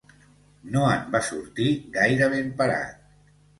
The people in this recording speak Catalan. No en va sortir gaire benparat.